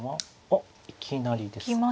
あっいきなりですか。